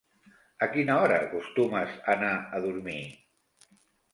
A quina hora acostumes anar a dormir?